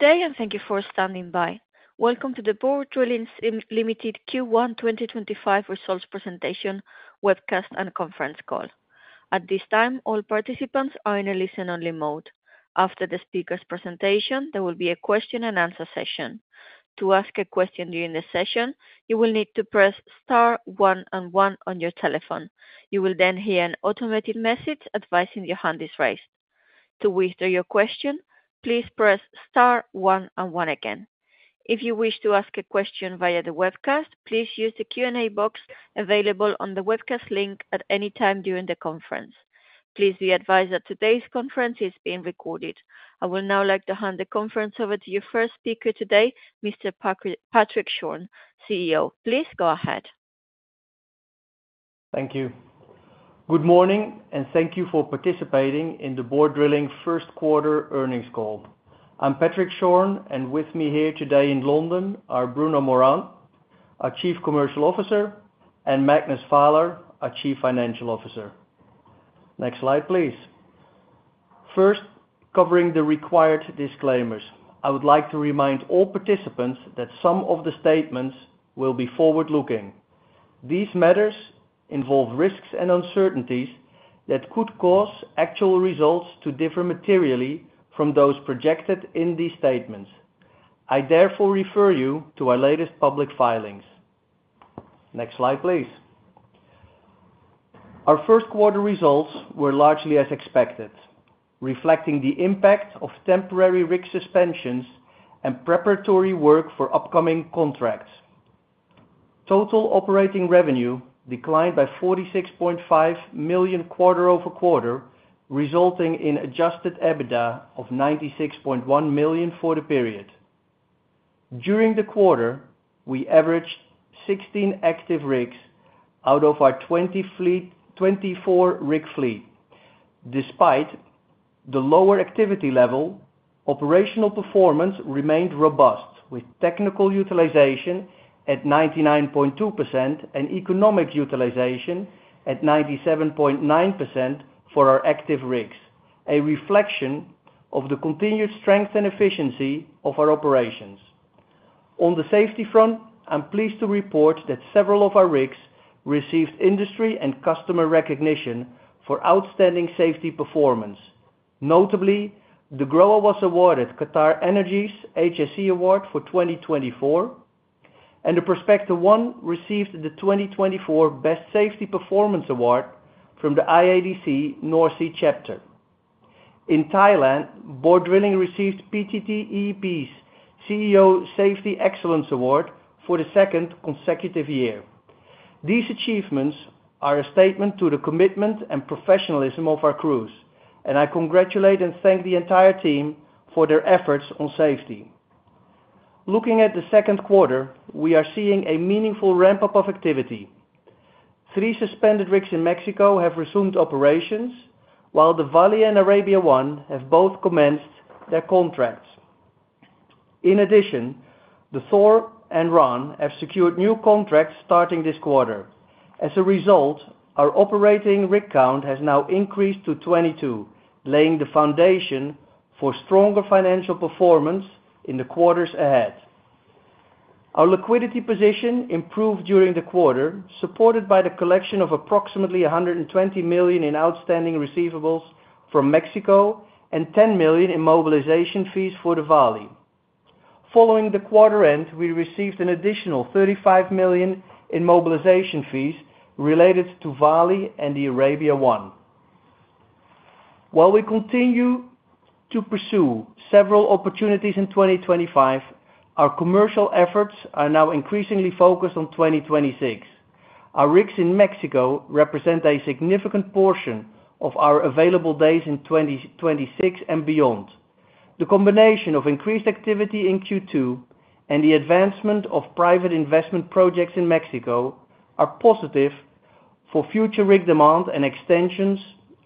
Today, and thank you for standing by. Welcome to the Borr Drilling Limited. Q1 2025 results presentation, webcast, and conference call. At this time, all participants are in a listen-only mode. After the speaker's presentation, there will be a question-and-answer session. To ask a question during the session, you will need to press Star 1 and 1 on your telephone. You will then hear an automated message advising your hand is raised. To withdraw your question, please press Star 1 and 1 again. If you wish to ask a question via the webcast, please use the Q&A box available on the webcast link at any time during the conference. Please be advised that today's conference is being recorded. I would now like to hand the conference over to your first speaker today, Mr. Patrick Schorn, CEO. Please go ahead. Thank you. Good morning, and thank you for participating in the Borr Drilling first-quarter earnings call. I'm Patrick Schorn, and with me here today in London are Bruno Morand, our Chief Commercial Officer, and Magnus Vaaler, our Chief Financial Officer. Next slide, please. First, covering the required disclaimers, I would like to remind all participants that some of the statements will be forward-looking. These matters involve risks and uncertainties that could cause actual results to differ materially from those projected in these statements. I therefore refer you to our latest public filings. Next slide, please. Our first-quarter results were largely as expected, reflecting the impact of temporary rig suspensions and preparatory work for upcoming contracts. Total operating revenue declined by $46.5 million quarter over quarter, resulting in adjusted EBITDA of $96.1 million for the period. During the quarter, we averaged 16 active rigs out of our 24 rig fleet. Despite the lower activity level, operational performance remained robust, with technical utilization at 99.2% and economic utilization at 97.9% for our active rigs, a reflection of the continued strength and efficiency of our operations. On the safety front, I'm pleased to report that several of our rigs received industry and customer recognition for outstanding safety performance. Notably, the Gron was awarded Qatar Energy's HSE Award for 2024, and the Prospector One received the 2024 Best Safety Performance Award from the IADC North Sea Chapter. In Thailand, Borr Drilling received PTTEP's CEO Safety Excellence Award for the second consecutive year. These achievements are a statement to the commitment and professionalism of our crews, and I congratulate and thank the entire team for their efforts on safety. Looking at the second quarter, we are seeing a meaningful ramp-up of activity. Three suspended rigs in Mexico have resumed operations, while the Vali and Arabia One have both commenced their contracts. In addition, the Thor and Ron have secured new contracts starting this quarter. As a result, our operating rig count has now increased to 22, laying the foundation for stronger financial performance in the quarters ahead. Our liquidity position improved during the quarter, supported by the collection of approximately $120 million in outstanding receivables from Mexico and $10 million in mobilization fees for the Vali. Following the quarter end, we received an additional $35 million in mobilization fees related to Vali and the Arabia One. While we continue to pursue several opportunities in 2025, our commercial efforts are now increasingly focused on 2026. Our rigs in Mexico represent a significant portion of our available days in 2026 and beyond. The combination of increased activity in Q2 and the advancement of private investment projects in Mexico are positive for future rig demand and extensions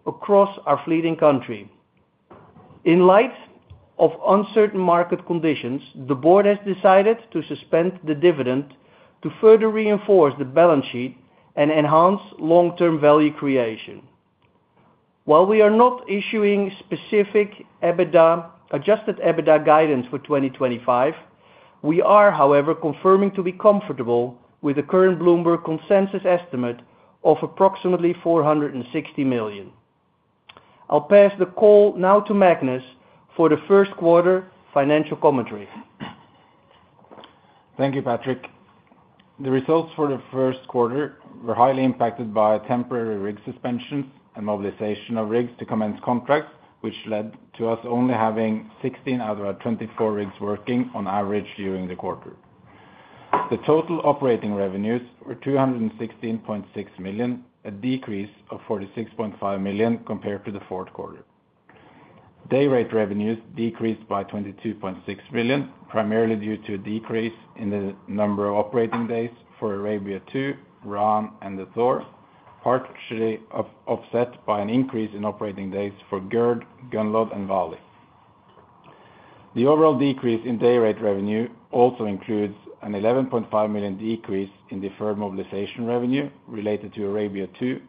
across our fleet and country. In light of uncertain market conditions, the board has decided to suspend the dividend to further reinforce the balance sheet and enhance long-term value creation. While we are not issuing specific adjusted EBITDA guidance for 2025, we are, however, confirming to be comfortable with the current Bloomberg consensus estimate of approximately $460 million. I'll pass the call now to Magnus for the first-quarter financial commentary. Thank you, Patrick. The results for the first quarter were highly impacted by temporary rig suspensions and mobilization of rigs to commence contracts, which led to us only having 16 out of our 24 rigs working on average during the quarter. The total operating revenues were $216.6 million, a decrease of $46.5 million compared to the fourth quarter. Day rate revenues decreased by $22.6 million, primarily due to a decrease in the number of operating days for Arabia Two, Ron, and Thor, partially offset by an increase in operating days for Gerd, Gunlod, and Vali. The overall decrease in day rate revenue also includes an $11.5 million decrease in deferred mobilization revenue related to Arabia Two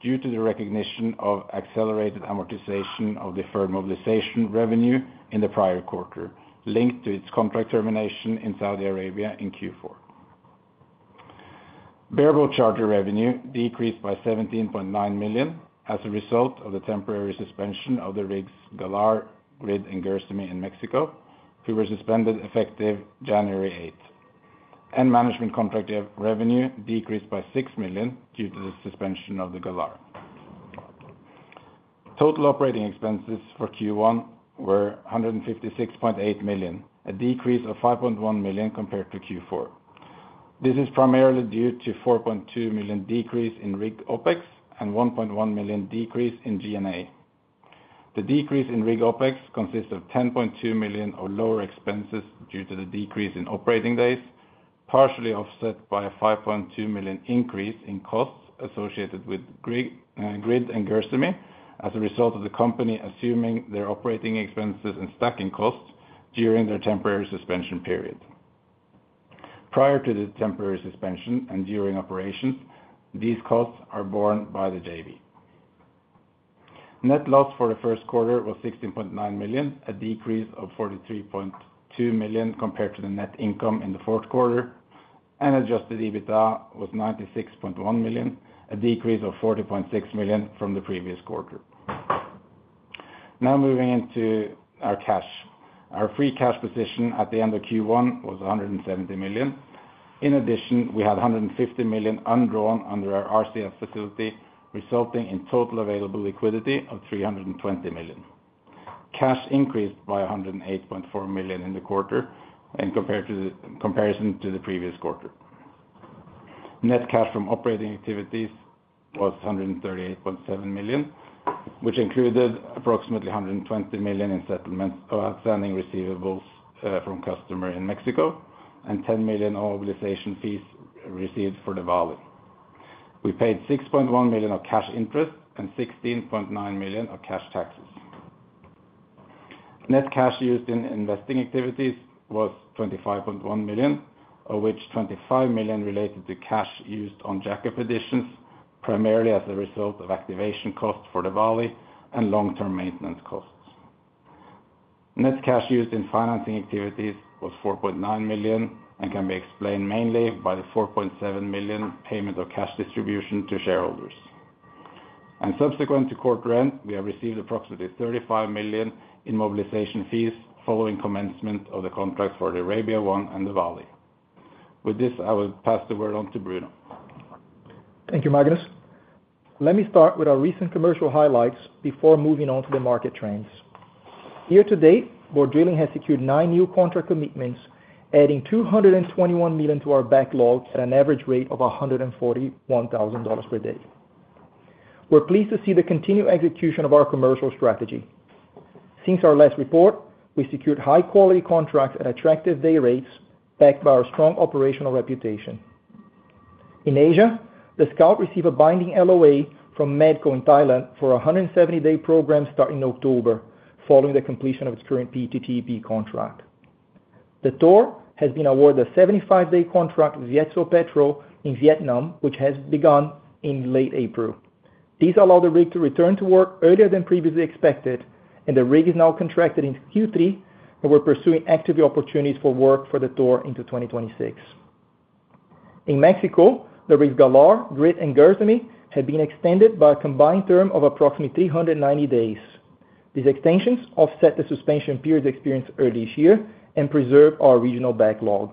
due to the recognition of accelerated amortization of deferred mobilization revenue in the prior quarter, linked to its contract termination in Saudi Arabia in Q4. Bareboat charter revenue decreased by $17.9 million as a result of the temporary suspension of the rigs Galar, Grid, and Gersemi in Mexico, who were suspended effective January 8. Management contract revenue decreased by $6 million due to the suspension of the Galar. Total operating expenses for Q1 were $156.8 million, a decrease of $5.1 million compared to Q4. This is primarily due to a $4.2 million decrease in rig OPEX and $1.1 million decrease in G&A. The decrease in rig OPEX consists of $10.2 million of lower expenses due to the decrease in operating days, partially offset by a $5.2 million increase in costs associated with Grid and Gersemi as a result of the company assuming their operating expenses and stacking costs during their temporary suspension period. Prior to the temporary suspension and during operations, these costs are borne by the JB. Net loss for the first quarter was $16.9 million, a decrease of $43.2 million compared to the net income in the fourth quarter, and adjusted EBITDA was $96.1 million, a decrease of $40.6 million from the previous quarter. Now moving into our cash. Our free cash position at the end of Q1 was $170 million. In addition, we had $150 million undrawn under our RCF facility, resulting in total available liquidity of $320 million. Cash increased by $108.4 million in the quarter in comparison to the previous quarter. Net cash from operating activities was $138.7 million, which included approximately $120 million in settlements of outstanding receivables from customers in Mexico and $10 million of mobilization fees received for the Vali. We paid $6.1 million of cash interest and $16.9 million of cash taxes. Net cash used in investing activities was $25.1 million, of which $25 million related to cash used on jacket positions, primarily as a result of activation costs for the Vali and long-term maintenance costs. Net cash used in financing activities was $4.9 million and can be explained mainly by the $4.7 million payment of cash distribution to shareholders. Subsequent to quarter end, we have received approximately $35 million in mobilization fees following commencement of the contracts for Arabia One and the Vali. With this, I will pass the word on to Bruno. Thank you, Magnus. Let me start with our recent commercial highlights before moving on to the market trends. Year to date, Borr Drilling has secured nine new contract commitments, adding $221 million to our backlog at an average rate of $141,000 per day. We're pleased to see the continued execution of our commercial strategy. Since our last report, we secured high-quality contracts at attractive day rates, backed by our strong operational reputation. In Asia, the Scout received a binding LOA from Medco in Thailand for a 170-day program starting in October, following the completion of its current PTTEP contract. The Thor has been awarded a 75-day contract with VietsoPetro in Vietnam, which has begun in late April. These allow the rig to return to work earlier than previously expected, and the rig is now contracted in Q3, and we're pursuing activity opportunities for work for the Thor into 2026. In Mexico, the rigs Galar, Grid, and Gersemi have been extended by a combined term of approximately 390 days. These extensions offset the suspension periods experienced earlier this year and preserve our regional backlog.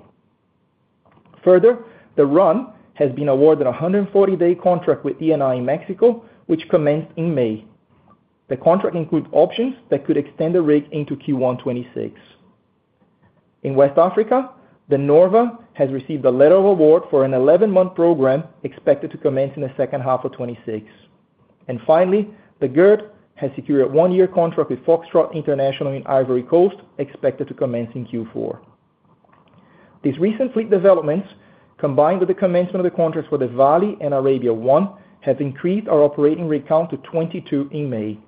Further, the Ron has been awarded a 140-day contract with E&I in Mexico, which commenced in May. The contract includes options that could extend the rig into Q1 2026. In West Africa, the Norve has received a letter of award for an 11-month program expected to commence in the second half of 2026. Finally, the Gerd has secured a one-year contract with Foxtrot International in Ivory Coast, expected to commence in Q4. These recent fleet developments, combined with the commencement of the contracts for the Vali and Arabia One, have increased our operating rig count to 22 in May.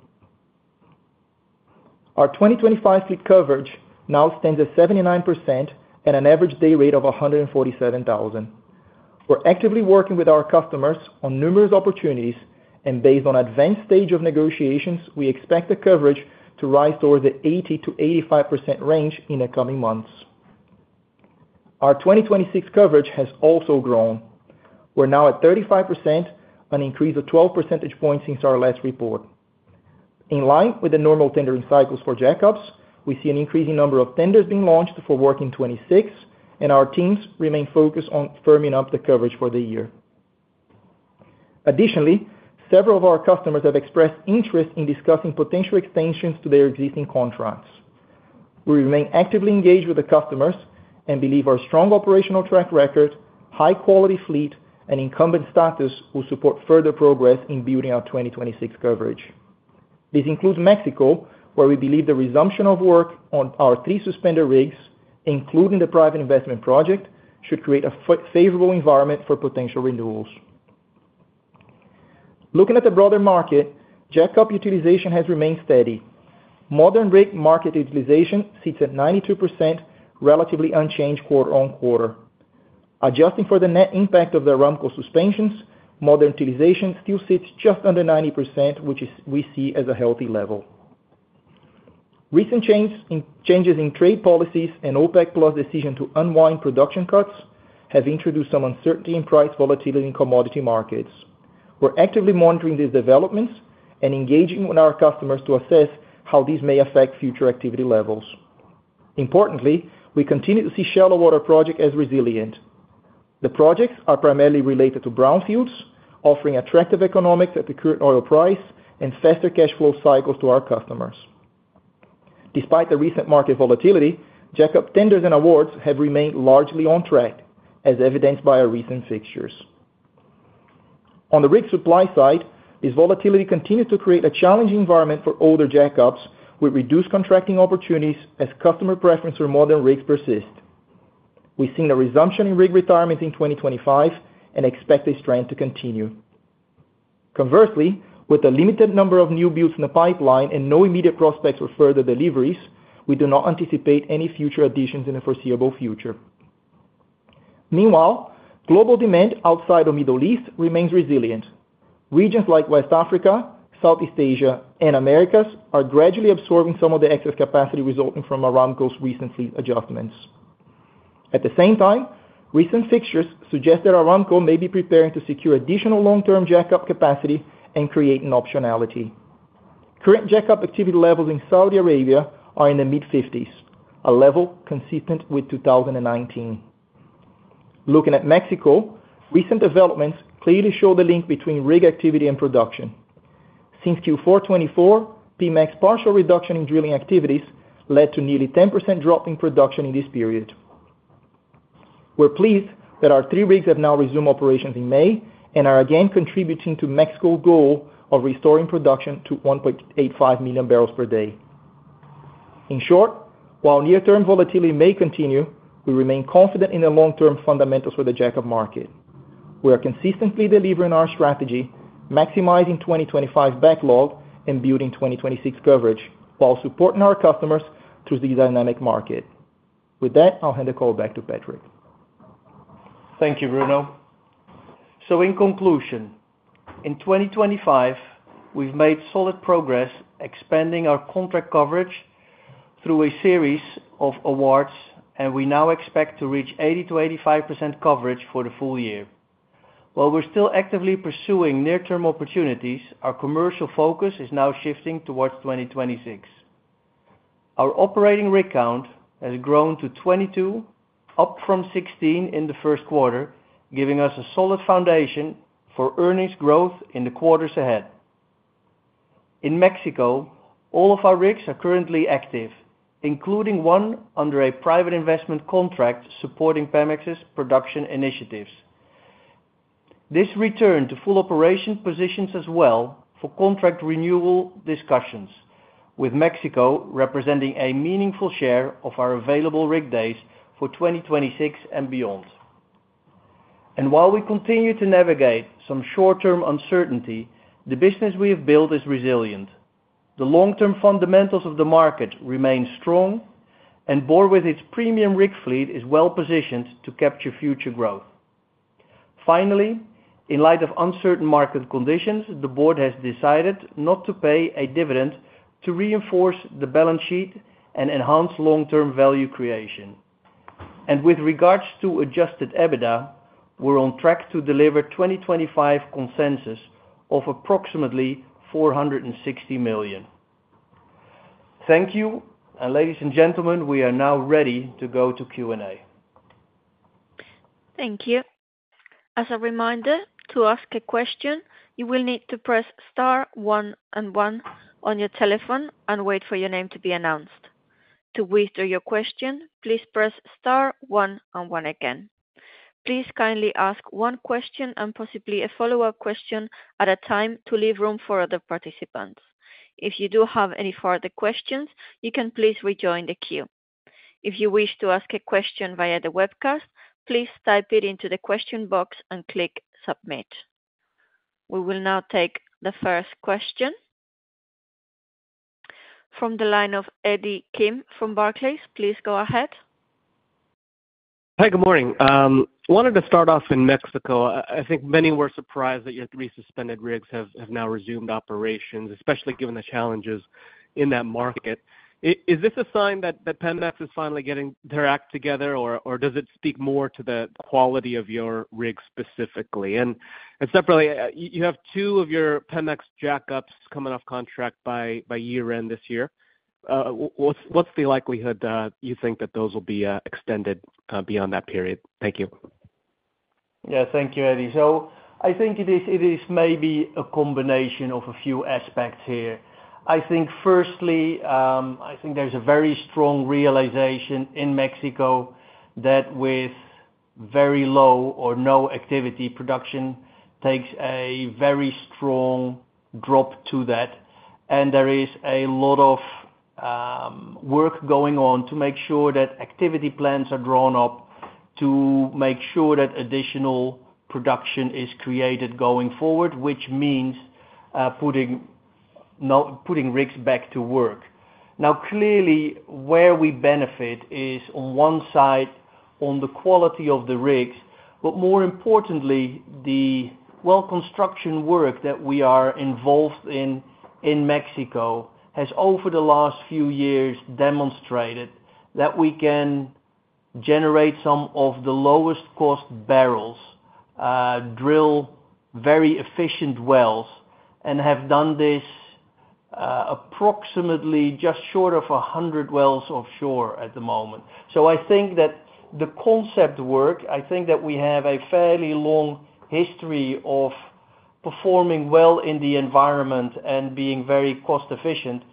Our 2025 fleet coverage now stands at 79% and an average day rate of $147,000. We're actively working with our customers on numerous opportunities, and based on advanced stage of negotiations, we expect the coverage to rise towards the 80%-85% range in the coming months. Our 2026 coverage has also grown. We're now at 35%, an increase of 12 percentage points since our last report. In line with the normal tendering cycles for jackets, we see an increasing number of tenders being launched for work in 2026, and our teams remain focused on firming up the coverage for the year. Additionally, several of our customers have expressed interest in discussing potential extensions to their existing contracts. We remain actively engaged with the customers and believe our strong operational track record, high-quality fleet, and incumbent status will support further progress in building our 2026 coverage. This includes Mexico, where we believe the resumption of work on our three suspended rigs, including the private investment project, should create a favorable environment for potential renewals. Looking at the broader market, jack-up utilization has remained steady. Modern rig market utilization sits at 92%, relatively unchanged quarter on quarter. Adjusting for the net impact of the Ron suspensions, modern utilization still sits just under 90%, which we see as a healthy level. Recent changes in trade policies and OPEC Plus' decision to unwind production cuts have introduced some uncertainty in price volatility in commodity markets. We're actively monitoring these developments and engaging with our customers to assess how these may affect future activity levels. Importantly, we continue to see shallow water projects as resilient. The projects are primarily related to brownfields, offering attractive economics at the current oil price and faster cash flow cycles to our customers. Despite the recent market volatility, jack-up tenders and awards have remained largely on track, as evidenced by our recent fixtures. On the rig supply side, this volatility continues to create a challenging environment for older jack-ups, with reduced contracting opportunities as customer preference for modern rigs persists. We've seen a resumption in rig retirements in 2025 and expect this trend to continue. Conversely, with the limited number of new builds in the pipeline and no immediate prospects for further deliveries, we do not anticipate any future additions in the foreseeable future. Meanwhile, global demand outside the Middle East remains resilient. Regions like West Africa, Southeast Asia, and the Americas are gradually absorbing some of the excess capacity resulting from Aramco's recent fleet adjustments. At the same time, recent fixtures suggest that Aramco may be preparing to secure additional long-term jack-up capacity and create an optionality. Current jack-up activity levels in Saudi Arabia are in the mid-50s, a level consistent with 2019. Looking at Mexico, recent developments clearly show the link between rig activity and production. Since Q4 2024, Pemex's partial reduction in drilling activities led to nearly 10% drop in production in this period. We're pleased that our three rigs have now resumed operations in May and are again contributing to Mexico's goal of restoring production to 1.85 million barrels per day. In short, while near-term volatility may continue, we remain confident in the long-term fundamentals for the jack-up market. We are consistently delivering our strategy, maximizing 2025 backlog and building 2026 coverage, while supporting our customers through these dynamic markets. With that, I'll hand the call back to Patrick. Thank you, Bruno. In conclusion, in 2025, we've made solid progress expanding our contract coverage through a series of awards, and we now expect to reach 80%-85% coverage for the full year. While we're still actively pursuing near-term opportunities, our commercial focus is now shifting towards 2026. Our operating rig count has grown to 22, up from 16 in the first quarter, giving us a solid foundation for earnings growth in the quarters ahead. In Mexico, all of our rigs are currently active, including one under a private investment contract supporting Pemex's production initiatives. This return to full operation positions us well for contract renewal discussions, with Mexico representing a meaningful share of our available rig days for 2026 and beyond. While we continue to navigate some short-term uncertainty, the business we have built is resilient. The long-term fundamentals of the market remain strong, and Borr Drilling, with its premium rig fleet, is well positioned to capture future growth. Finally, in light of uncertain market conditions, the board has decided not to pay a dividend to reinforce the balance sheet and enhance long-term value creation. With regards to adjusted EBITDA, we're on track to deliver 2025 consensus of approximately $460 million. Thank you. Ladies and gentlemen, we are now ready to go to Q&A. Thank you. As a reminder, to ask a question, you will need to press star one and one on your telephone and wait for your name to be announced. To withdraw your question, please press star one and one again. Please kindly ask one question and possibly a follow-up question at a time to leave room for other participants. If you do have any further questions, you can please rejoin the queue. If you wish to ask a question via the webcast, please type it into the question box and click submit. We will now take the first question from the line of Eddie Kim from Barclays. Please go ahead. Hi, good morning. I wanted to start off in Mexico. I think many were surprised that your three suspended rigs have now resumed operations, especially given the challenges in that market. Is this a sign that Pemex is finally getting their act together, or does it speak more to the quality of your rigs specifically? Separately, you have two of your Pemex jack-ups coming off contract by year-end this year. What's the likelihood you think that those will be extended beyond that period? Thank you. Yeah, thank you, Eddie. I think it is maybe a combination of a few aspects here. Firstly, I think there's a very strong realization in Mexico that with very low or no activity, production takes a very strong drop to that. There is a lot of work going on to make sure that activity plans are drawn up to make sure that additional production is created going forward, which means putting rigs back to work. Now, clearly, where we benefit is on one side on the quality of the rigs, but more importantly, the well construction work that we are involved in in Mexico has over the last few years demonstrated that we can generate some of the lowest cost barrels, drill very efficient wells, and have done this approximately just short of 100 wells offshore at the moment. I think that the concept work, I think that we have a fairly long history of performing well in the environment and being very cost-efficient.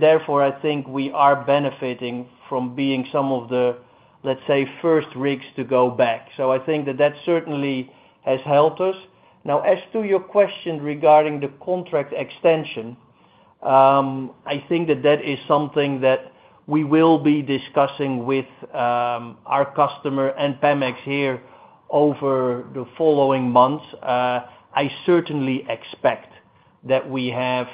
Therefore, I think we are benefiting from being some of the, let's say, first rigs to go back. I think that certainly has helped us. Now, as to your question regarding the contract extension, I think that is something that we will be discussing with our customer and Pemex here over the following months. I certainly expect that we have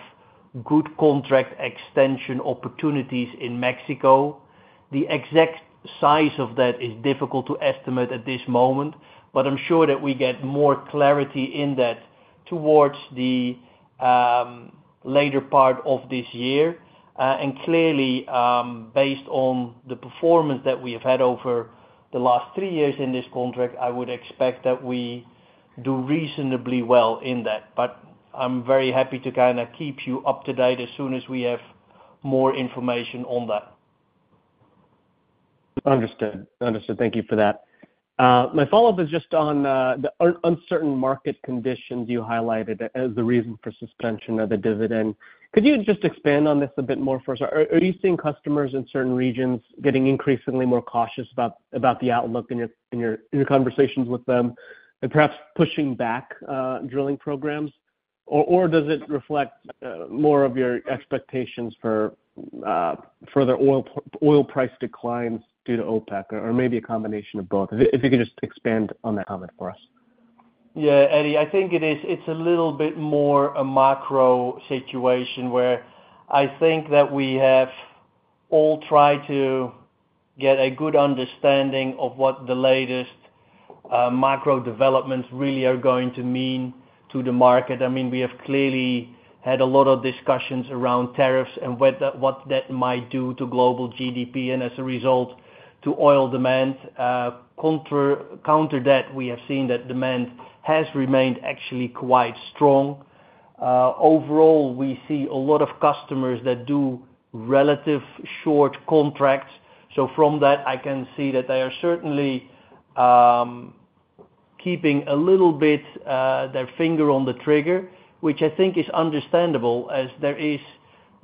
good contract extension opportunities in Mexico. The exact size of that is difficult to estimate at this moment, but I'm sure that we get more clarity in that towards the later part of this year. Clearly, based on the performance that we have had over the last three years in this contract, I would expect that we do reasonably well in that. I am very happy to kind of keep you up to date as soon as we have more information on that. Understood. Understood. Thank you for that. My follow-up is just on the uncertain market conditions you highlighted as the reason for suspension of the dividend. Could you just expand on this a bit more for us? Are you seeing customers in certain regions getting increasingly more cautious about the outlook in your conversations with them and perhaps pushing back drilling programs? Does it reflect more of your expectations for further oil price declines due to OPEC, or maybe a combination of both? If you could just expand on that comment for us. Yeah, Eddie, I think it's a little bit more a macro situation where I think that we have all tried to get a good understanding of what the latest macro developments really are going to mean to the market. I mean, we have clearly had a lot of discussions around tariffs and what that might do to global GDP and, as a result, to oil demand. Counter that, we have seen that demand has remained actually quite strong. Overall, we see a lot of customers that do relative short contracts. From that, I can see that they are certainly keeping a little bit their finger on the trigger, which I think is understandable as there are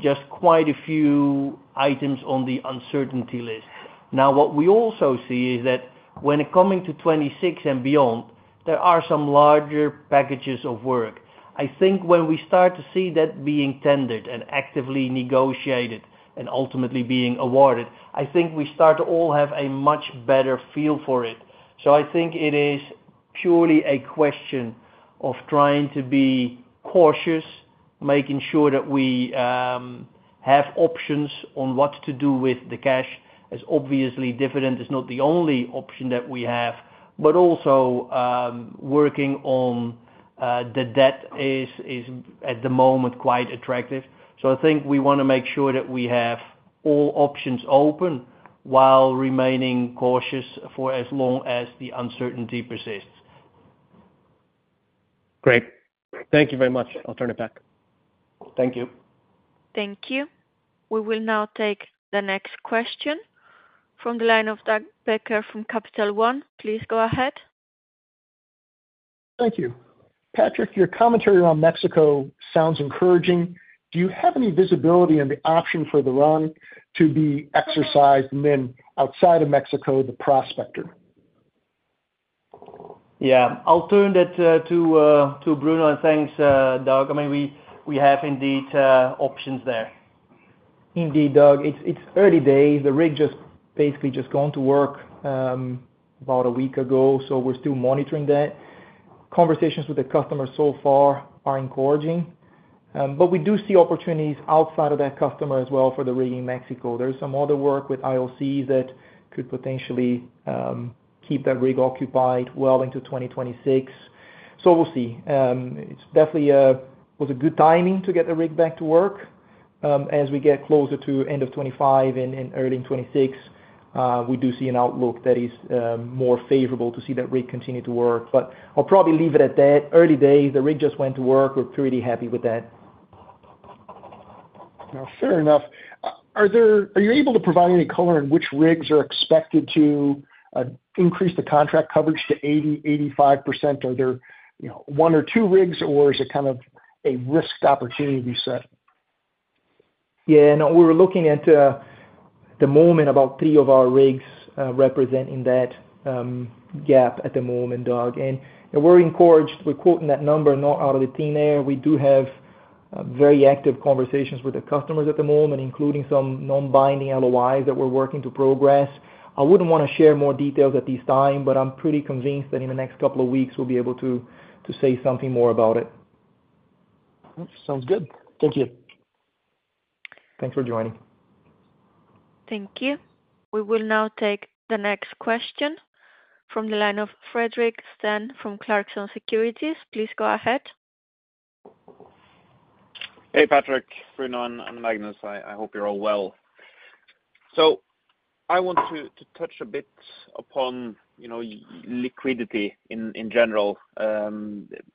just quite a few items on the uncertainty list. Now, what we also see is that when it comes to 2026 and beyond, there are some larger packages of work. I think when we start to see that being tendered and actively negotiated and ultimately being awarded, I think we start to all have a much better feel for it. I think it is purely a question of trying to be cautious, making sure that we have options on what to do with the cash, as obviously dividend is not the only option that we have, but also working on the debt is at the moment quite attractive. I think we want to make sure that we have all options open while remaining cautious for as long as the uncertainty persists. Great. Thank you very much. I'll turn it back. Thank you. Thank you. We will now take the next question from the line of Doug Becker from Capital One. Please go ahead. Thank you. Patrick, your commentary on Mexico sounds encouraging. Do you have any visibility on the option for the Ron to be exercised and then outside of Mexico, the Prospector? Yeah, I'll turn that to Bruno and thanks, Doug. I mean, we have indeed options there. Indeed, Doug. It's early days. The rig just basically just gone to work about a week ago, so we're still monitoring that. Conversations with the customers so far are encouraging, but we do see opportunities outside of that customer as well for the rig in Mexico. There's some other work with IOC that could potentially keep that rig occupied well into 2026. We will see. It definitely was good timing to get the rig back to work. As we get closer to end of 2025 and early in 2026, we do see an outlook that is more favorable to see that rig continue to work. I'll probably leave it at that. Early days, the rig just went to work. We're pretty happy with that. Now, fair enough. Are you able to provide any color on which rigs are expected to increase the contract coverage to 80%, 85%? Are there one or two rigs, or is it kind of a risk opportunity set? Yeah, no, we were looking at the moment about three of our rigs representing that gap at the moment, Doug. We are encouraged. We are quoting that number not out of thin air. We do have very active conversations with the customers at the moment, including some non-binding LOIs that we are working to progress. I would not want to share more details at this time, but I am pretty convinced that in the next couple of weeks, we will be able to say something more about it. Sounds good. Thank you. Thanks for joining. Thank you. We will now take the next question from the line of Frederik Stene from Clarkson Securities. Please go ahead. Hey, Patrick, Bruno, and Magnus. I hope you're all well. I wanted to touch a bit upon liquidity in general,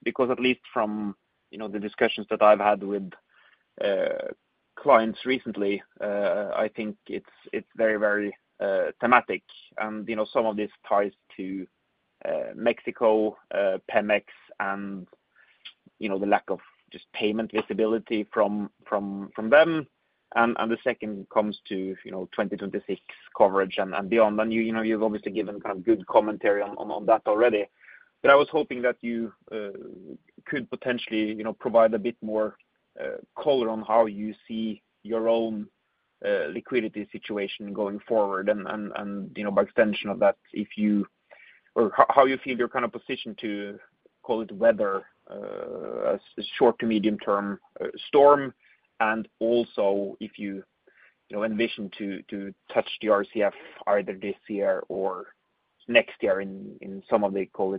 because at least from the discussions that I've had with clients recently, I think it's very, very thematic. Some of this ties to Mexico, Pemex, and the lack of just payment visibility from them. The second comes to 2026 coverage and beyond. You've obviously given kind of good commentary on that already. I was hoping that you could potentially provide a bit more color on how you see your own liquidity situation going forward. By extension of that, how you feel your kind of position to call it weather as short to medium-term storm. If you envision to touch the RCF either this year or next year in some of the, call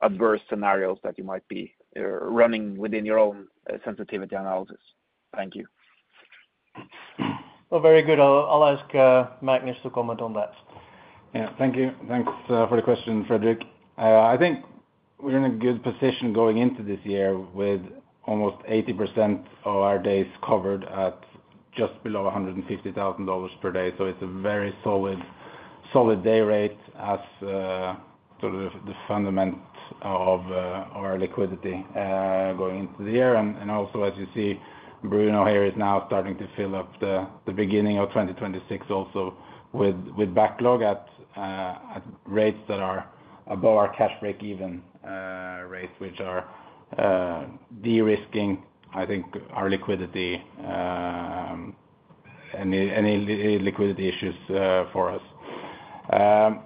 it, more adverse scenarios that you might be running within your own sensitivity analysis. Thank you. Very good. I'll ask Magnus to comment on that. Yeah, thank you. Thanks for the question, Frederick. I think we're in a good position going into this year with almost 80% of our days covered at just below $150,000 per day. It is a very solid day rate as to the fundament of our liquidity going into the year. Also, as you see, Bruno here is now starting to fill up the beginning of 2026 also with backlog at rates that are above our cash break-even rates, which are de-risking, I think, our liquidity and liquidity issues for us.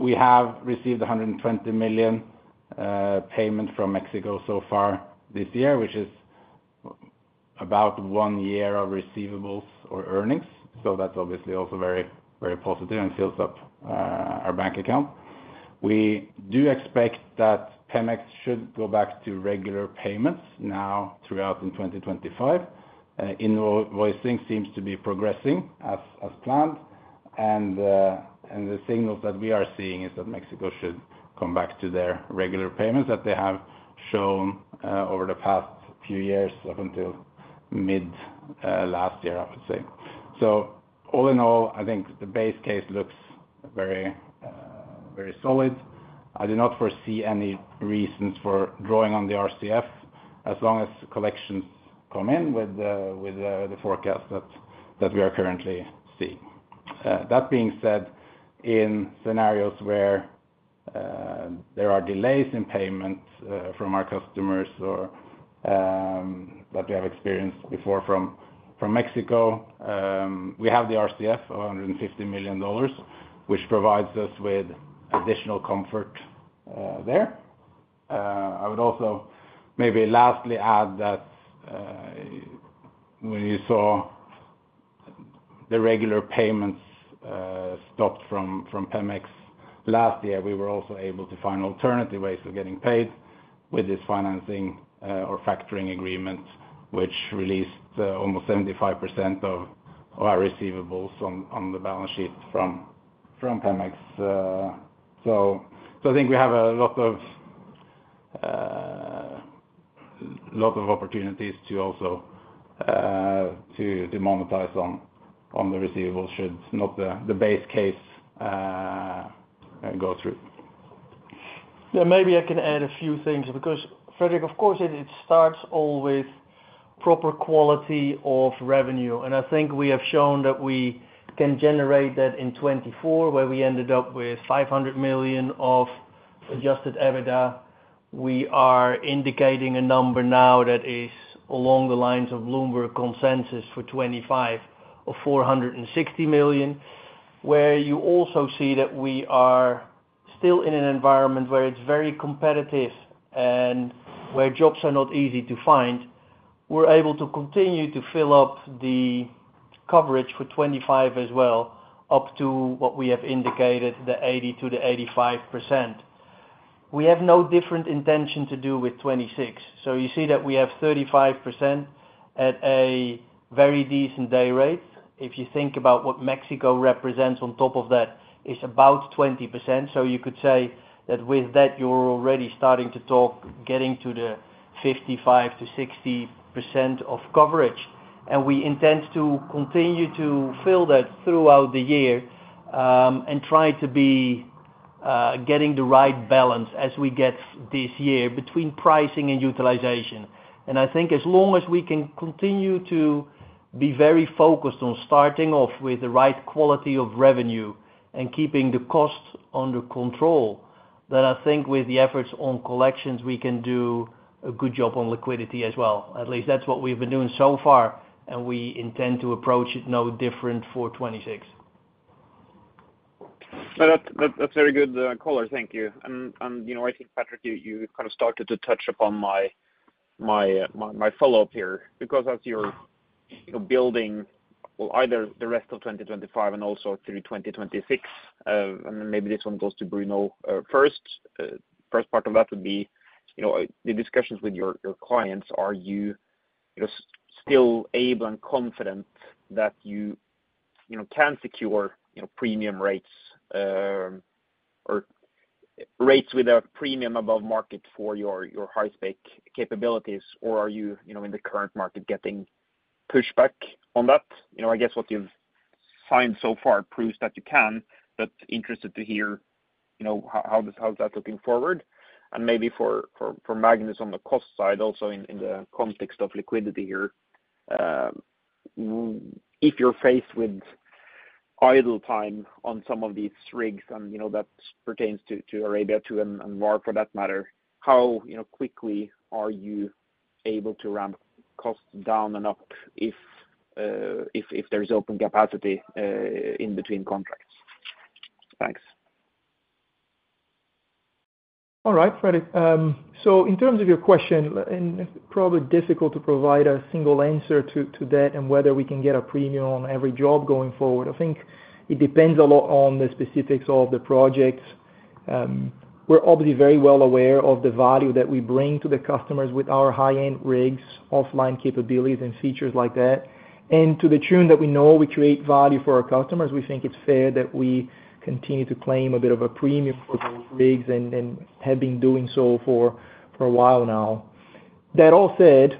We have received $120 million payment from Mexico so far this year, which is about one year of receivables or earnings. That is obviously also very positive and fills up our bank account. We do expect that Pemex should go back to regular payments now throughout 2025. Invoicing seems to be progressing as planned. The signals that we are seeing is that Mexico should come back to their regular payments that they have shown over the past few years up until mid-last year, I would say. All in all, I think the base case looks very solid. I do not foresee any reasons for drawing on the RCF as long as collections come in with the forecast that we are currently seeing. That being said, in scenarios where there are delays in payment from our customers that we have experienced before from Mexico, we have the RCF of $150 million, which provides us with additional comfort there. I would also maybe lastly add that when you saw the regular payments stopped from Pemex last year, we were also able to find alternative ways of getting paid with this financing or factoring agreement, which released almost 75% of our receivables on the balance sheet from Pemex. I think we have a lot of opportunities to monetize on the receivables should not the base case go through. Yeah. Maybe I can add a few things because, Frederick, of course, it starts all with proper quality of revenue. I think we have shown that we can generate that in 2024, where we ended up with $500 million of adjusted EBITDA. We are indicating a number now that is along the lines of Bloomberg Consensus for 2025 of $460 million, where you also see that we are still in an environment where it's very competitive and where jobs are not easy to find. We're able to continue to fill up the coverage for 2025 as well up to what we have indicated, the 80%-85%. We have no different intention to do with 2026. You see that we have 35% at a very decent day rate. If you think about what Mexico represents on top of that, it's about 20%. You could say that with that, you're already starting to talk getting to the 55%-60% of coverage. We intend to continue to fill that throughout the year and try to be getting the right balance as we get this year between pricing and utilization. I think as long as we can continue to be very focused on starting off with the right quality of revenue and keeping the cost under control, then I think with the efforts on collections, we can do a good job on liquidity as well. At least that's what we've been doing so far, and we intend to approach it no different for 2026. That's very good color. Thank you. I think, Patrick, you kind of started to touch upon my follow-up here because as you're building either the rest of 2025 and also through 2026, and maybe this one goes to Bruno first, the first part of that would be the discussions with your clients. Are you still able and confident that you can secure premium rates or rates with a premium above market for your high-spec capabilities, or are you in the current market getting pushback on that? I guess what you've signed so far proves that you can, but interested to hear how's that looking forward. Maybe for Magnus on the cost side also in the context of liquidity here, if you're faced with idle time on some of these rigs, and that pertains to Arabia Two and VAR for that matter, how quickly are you able to ramp costs down and up if there is open capacity in between contracts? Thanks. All right, Frederik. In terms of your question, it's probably difficult to provide a single answer to that and whether we can get a premium on every job going forward. I think it depends a lot on the specifics of the projects. We're obviously very well aware of the value that we bring to the customers with our high-end rigs, offline capabilities, and features like that. To the tune that we know we create value for our customers, we think it's fair that we continue to claim a bit of a premium for those rigs and have been doing so for a while now. That all said,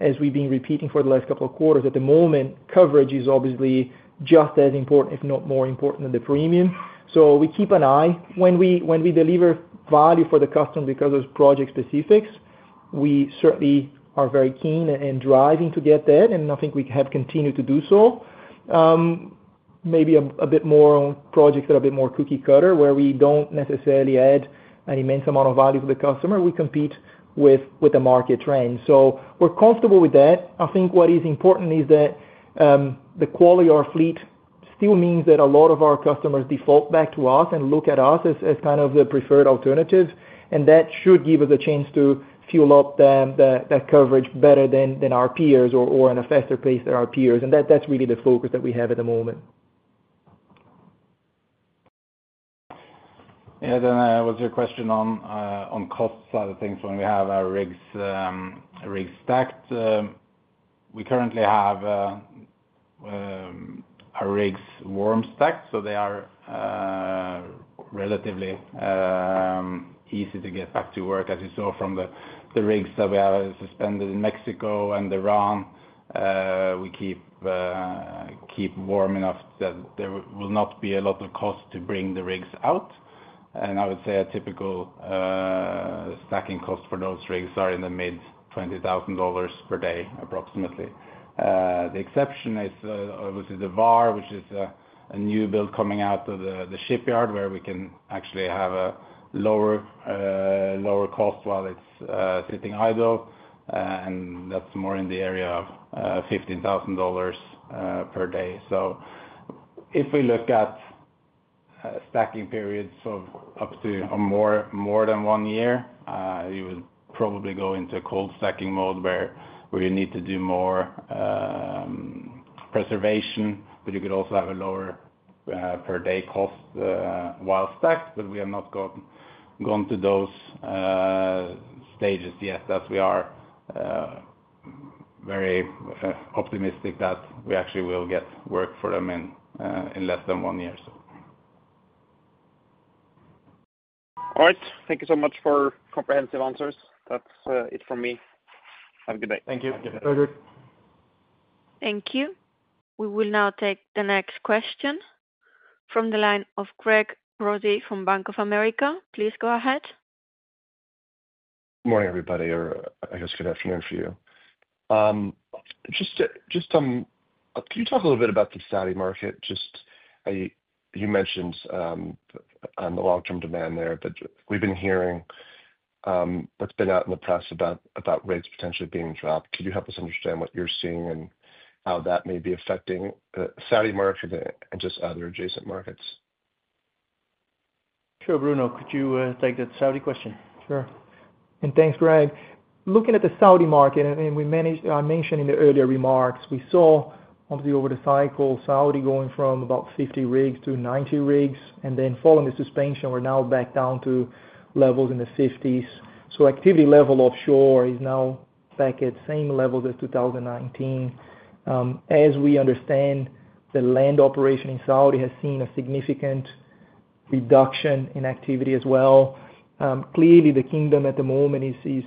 as we've been repeating for the last couple of quarters, at the moment, coverage is obviously just as important, if not more important than the premium. We keep an eye. When we deliver value for the customer because of project specifics, we certainly are very keen and driving to get that, and I think we have continued to do so. Maybe a bit more on projects that are a bit more cookie cutter, where we do not necessarily add an immense amount of value to the customer. We compete with the market trend. We are comfortable with that. I think what is important is that the quality of our fleet still means that a lot of our customers default back to us and look at us as kind of the preferred alternative. That should give us a chance to fuel up that coverage better than our peers or at a faster pace than our peers. That is really the focus that we have at the moment. Yeah, I was your question on cost side of things when we have our rigs stacked. We currently have our rigs warm stacked, so they are relatively easy to get back to work, as you saw from the rigs that we have suspended in Mexico and Iran. We keep warm enough that there will not be a lot of cost to bring the rigs out. I would say a typical stacking cost for those rigs is in the mid-$20,000 per day, approximately. The exception is obviously the VAR, which is a new build coming out of the shipyard, where we can actually have a lower cost while it's sitting idle. That is more in the area of $15,000 per day. If we look at stacking periods of up to more than one year, you would probably go into a cold stacking mode where we need to do more preservation, but you could also have a lower per day cost while stacked. We have not gone to those stages yet as we are very optimistic that we actually will get work for them in less than one year. All right. Thank you so much for comprehensive answers. That's it from me. Have a good day. Thank you. Thank you. Thank you. We will now take the next question from the line of Craig Ross from Bank of America. Please go ahead. Good morning, everybody, or I guess good afternoon for you. Just can you talk a little bit about the Saudi market? Just you mentioned on the long-term demand there, but we've been hearing what's been out in the press about rates potentially being dropped. Could you help us understand what you're seeing and how that may be affecting the Saudi market and just other adjacent markets? Sure, Bruno, could you take that Saudi question? Sure. Thanks, Craig. Looking at the Saudi market, and we mentioned in the earlier remarks, we saw obviously over the cycle Saudi going from about 50 rigs to 90 rigs, and then following the suspension, we're now back down to levels in the 50s. Activity level offshore is now back at same levels as 2019. As we understand, the land operation in Saudi has seen a significant reduction in activity as well. Clearly, the kingdom at the moment is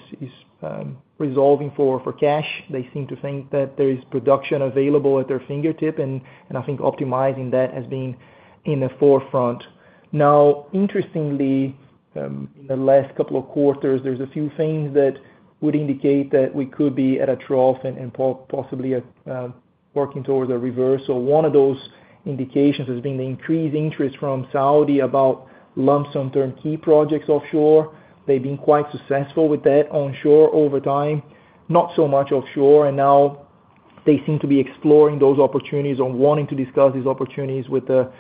resolving for cash. They seem to think that there is production available at their fingertip, and I think optimizing that has been in the forefront. Interestingly, in the last couple of quarters, there's a few things that would indicate that we could be at a trough and possibly working towards a reversal. One of those indications has been the increased interest from Saudi about lump sum turnkey projects offshore. They've been quite successful with that onshore over time, not so much offshore. They seem to be exploring those opportunities or wanting to discuss these opportunities with the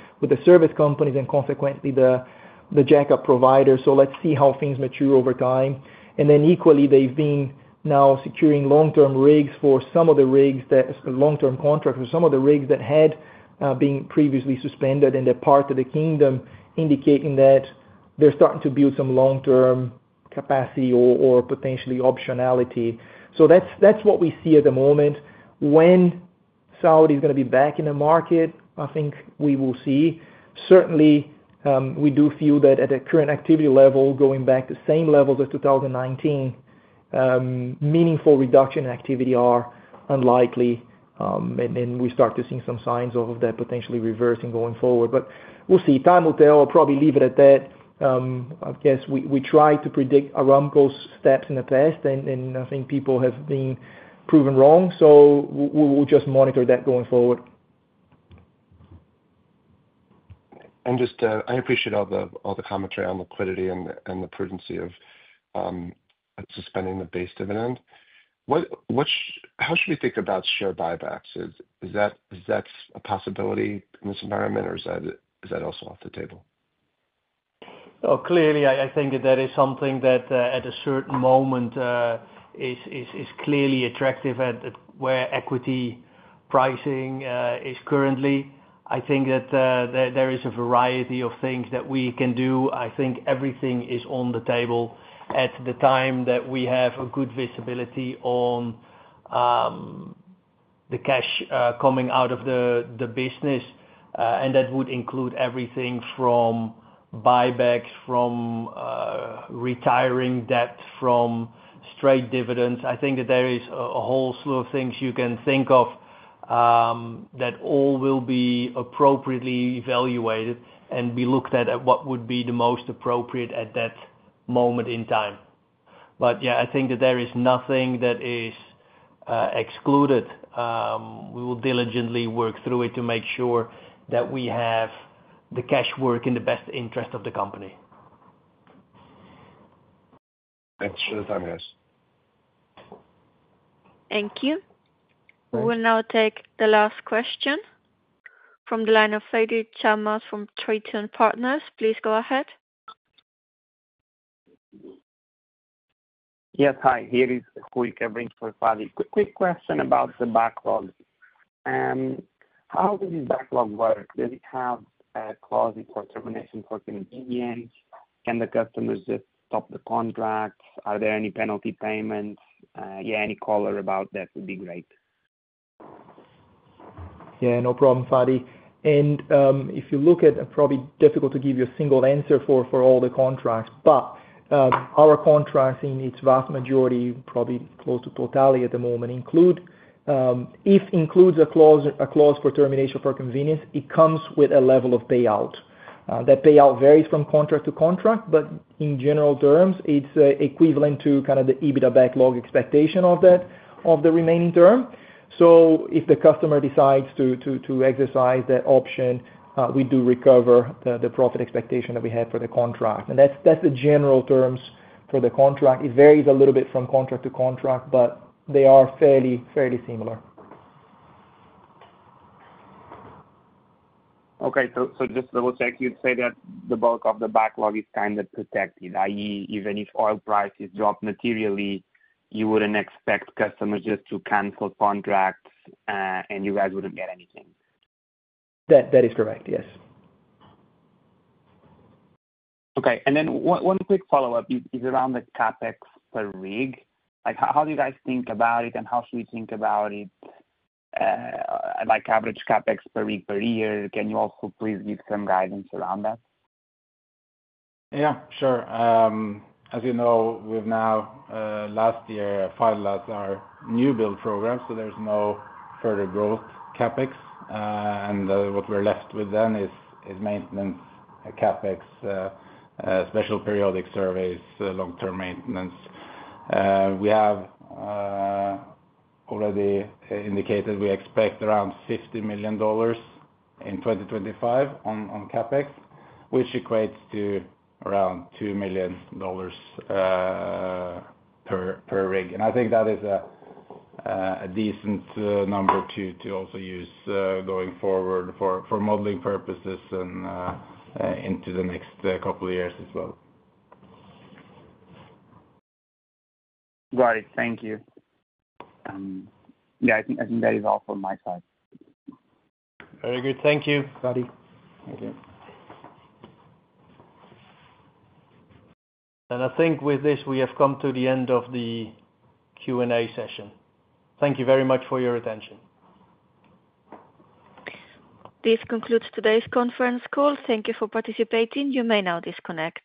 service companies and consequently the jack-up providers. Let's see how things mature over time. Equally, they've been now securing long-term rigs for some of the rigs that are long-term contracts or some of the rigs that had been previously suspended in the part of the kingdom, indicating that they're starting to build some long-term capacity or potentially optionality. That's what we see at the moment. When Saudi is going to be back in the market, I think we will see. Certainly, we do feel that at the current activity level, going back to same levels as 2019, meaningful reduction in activity is unlikely. We start to see some signs of that potentially reversing going forward. Time will tell. I'll probably leave it at that. I guess we tried to predict Aramco's steps in the past, and I think people have been proven wrong. We will just monitor that going forward. I appreciate all the commentary on liquidity and the prudency of suspending the base dividend. How should we think about share buybacks? Is that a possibility in this environment, or is that also off the table? I think that is something that at a certain moment is clearly attractive at where equity pricing is currently. I think that there is a variety of things that we can do. I think everything is on the table at the time that we have a good visibility on the cash coming out of the business. That would include everything from buybacks, from retiring debt, from straight dividends. I think that there is a whole slew of things you can think of that all will be appropriately evaluated and be looked at at what would be the most appropriate at that moment in time. Yeah, I think that there is nothing that is excluded. We will diligently work through it to make sure that we have the cash work in the best interest of the company. Thanks for the time, guys. Thank you. We will now take the last question from the line of Fady Chammas from Triton Partners. Please go ahead. Yes, hi. Here is Hui Kevins for Fadil. Quick question about the backlog. How does this backlog work? Does it have a clause for termination for convenience, and the customers just stop the contract? Are there any penalty payments? Yeah, any color about that would be great. Yeah, no problem, Fadi. If you look at, it's probably difficult to give you a single answer for all the contracts, but our contracts in its vast majority, probably close to totality at the moment, if includes a clause for termination for convenience, it comes with a level of payout. That payout varies from contract to contract, but in general terms, it's equivalent to kind of the EBITDA backlog expectation of that of the remaining term. If the customer decides to exercise that option, we do recover the profit expectation that we have for the contract. That's the general terms for the contract. It varies a little bit from contract to contract, but they are fairly similar. Okay, so just double-check. You'd say that the bulk of the backlog is kind of protected, i.e., even if oil prices drop materially, you wouldn't expect customers just to cancel contracts and you guys wouldn't get anything. That is correct, yes. Okay, and then one quick follow-up. Is it around the CapEx per rig? How do you guys think about it, and how should we think about it? Like average CapEx per rig per year, can you also please give some guidance around that? Yeah, sure. As you know, we've now, last year, filed out our new build program, so there's no further growth CapEx. What we're left with then is maintenance CapEx, special periodic surveys, long-term maintenance. We have already indicated we expect around $50 million in 2025 on CapEx, which equates to around $2 million per rig. I think that is a decent number to also use going forward for modeling purposes and into the next couple of years as well. Got it. Thank you. Yeah, I think that is all from my side. Very good. Thank you. Thank you. I think with this, we have come to the end of the Q&A session. Thank you very much for your attention. This concludes today's conference call. Thank you for participating. You may now disconnect.